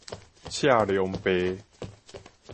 刺龍爸